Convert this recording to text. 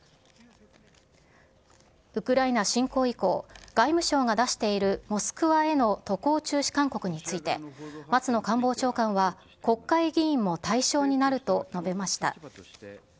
ウクライナ侵攻以降、外務省が出しているモスクワへの渡航中止勧告について、松野官房長官は、国会議員も対象になると述べました。